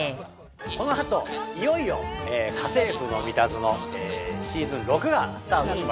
このあといよいよ『家政夫のミタゾノ』シーズン６がスタートします。